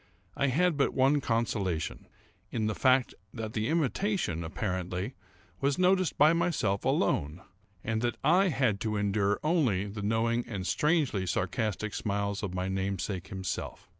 I had but one consolation—in the fact that the imitation, apparently, was noticed by myself alone, and that I had to endure only the knowing and strangely sarcastic smiles of my namesake himself.